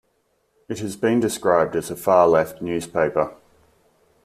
It has been described as a far-left newspaper.